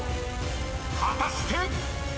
［果たして⁉］